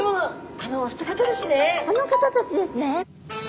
あの方たちですね。